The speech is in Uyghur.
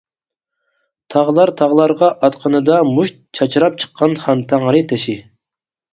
تاغلار تاغلارغا ئاتقىنىدا مۇشت چاچراپ چىققان خانتەڭرى تېشى.